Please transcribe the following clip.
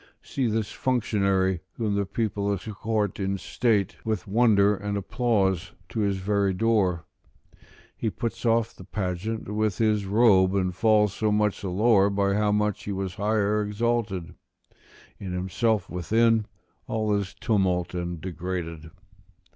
See this functionary whom the people escort in state, with wonder and applause, to his very door; he puts off the pageant with his robe, and falls so much the lower by how much he was higher exalted: in himself within, all is tumult and degraded.